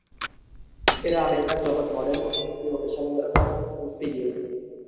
এরা আমেরিকান যমজ মডেল, অভিনেত্রী ও পেশাদার কুস্তিগীর।